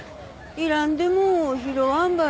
いらんでも拾わんばね。